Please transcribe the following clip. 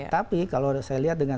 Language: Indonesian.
tapi kalau saya lihat dengan